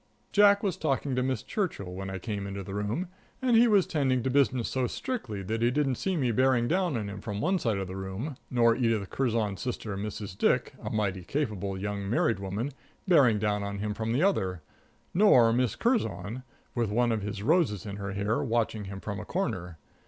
Jack was talking to Miss Churchill when I came into the room, and he was tending to business so strictly that he didn't see me bearing down on him from one side of the room, nor Edith Curzon's sister, Mrs. Dick, a mighty capable young married woman, bearing down on him from the other, nor Miss Curzon, with one of his roses in her hair, watching him from a corner.